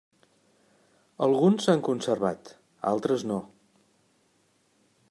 Alguns s'han conservat, altres no.